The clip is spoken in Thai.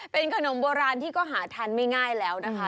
เป็นขนมโบราณที่ก็หาทานไม่ง่ายแล้วนะคะ